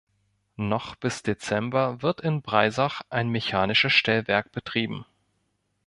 Noch bis Dezember wird in Breisach ein mechanisches Stellwerk betrieben.